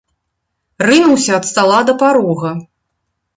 Рынуўся ад стала да парога.